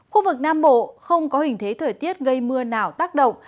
khu vực nam bộ không có hình thế thời tiết gây mưa nào tác động